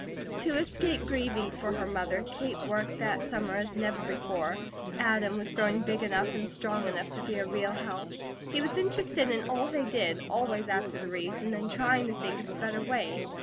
To escape grieving for her mother, Kate worked that summer as never before. Adam was growing big enough and strong enough to be a real help. He was interested in all they did, always after the reason, and trying to think of a better way.